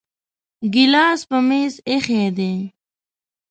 ګلاس په میز ایښی دی